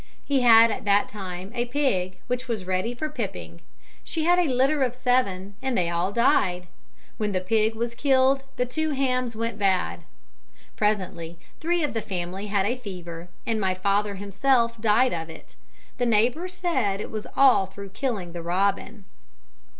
He had at that time a pig which was ready for pipping; she had a litter of seven, and they all died. When the pig was killed the two hams went bad; presently three of the family had a fever, and my father himself died of it. The neighbours said it was all through killing the robin.'"